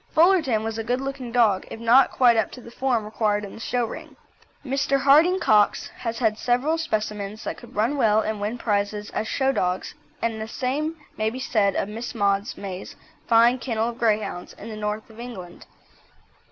Fullerton was a good looking dog, if not quite up to the form required in the show ring. Mr. Harding Cox has had several specimens that could run well and win prizes as show dogs, and the same may be said of Miss Maud May's fine kennel of Greyhounds in the North of England.